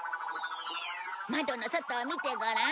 窓の外を見てごらん。